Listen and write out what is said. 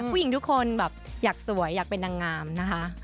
ผู้หญิงทุกคนแบบอยากสวยอยากเป็นนางงามนะคะ